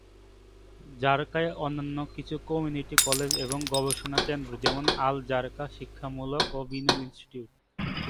জারকায় অন্যান্য কিছু community college এবং গবেষণা কেন্দ্র যেমন আল-জারকা শিক্ষামূলক ও বিনিয়োগ ইন্সটিটিউট।